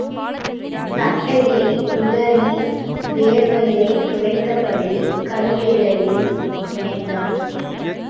சட்டையை உதறி வேர்வையைத் துடைத்தபடி கைவேலையில் முனைந்தான்.